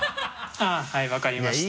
あっはい分かりました。